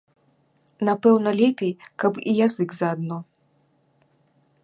Напэўна лепей каб і язык заадно.